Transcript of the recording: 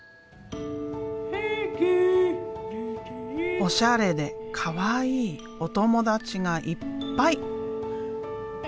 おしゃれでかわいいお友達がいっぱい！